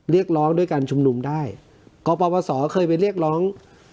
เรียกร้องด้วยการชุมนุมได้กปศเคยไปเรียกร้อง